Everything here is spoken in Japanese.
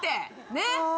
ねっ。